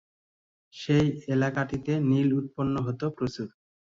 সেই এলাকাটিতে নীল উৎপন্ন হতো প্রচুর।